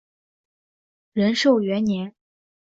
仁寿元年。